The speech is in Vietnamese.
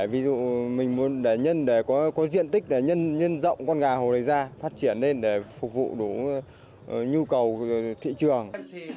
ví dụ mình muốn có diện tích để nhân rộng con gà hồ này ra phát triển lên để phục vụ đủ nhu cầu thị trường